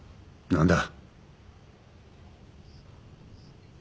何だ？